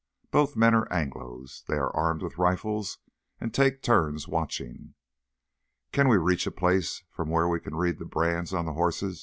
Both men are Anglos. They are armed with rifles and take turns watching." "Can we reach a place from where we can read the brands on the horses?"